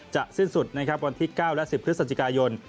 สิ้นสุดนะครับวันที่๙และ๑๐พฤศจิกายน